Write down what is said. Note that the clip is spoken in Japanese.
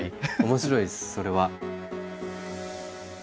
面白いですそれは。